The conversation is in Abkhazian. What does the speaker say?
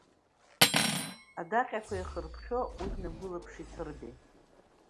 Адаҟьақәа еихырԥхьо уи днагәылаԥшит Ҭырбеи.